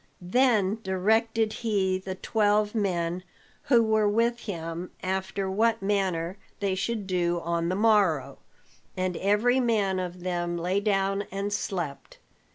Then directed he the twelve men who were with him after what manner they should do on the morrow, and every man of them lay down and slept.